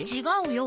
違う！